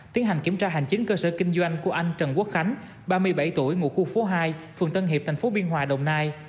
tiến hành kiểm tra hành chính cơ sở kinh doanh của anh trần quốc khánh ba mươi bảy tuổi ngụ khu phố hai phường tân hiệp tp biên hòa đồng nai